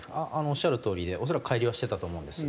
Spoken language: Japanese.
おっしゃるとおりで恐らく乖離はしてたと思うんです。